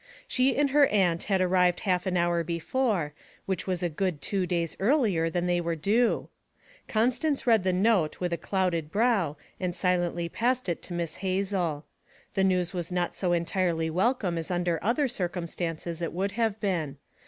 She and her aunt had arrived half an hour before, which was a good two days earlier than they were due. Constance read the note with a clouded brow and silently passed it to Miss Hazel. The news was not so entirely welcome as under other circumstances it would have been.